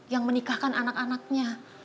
yang menikahkan anak anaknya